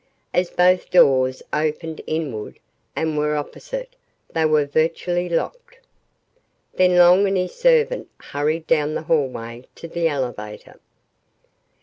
As both doors opened inward and were opposite, they were virtually locked. Then Long and his servant hurried down the hallway to the elevator.